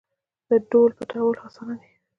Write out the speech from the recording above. د ډهل پټول اسانه دي .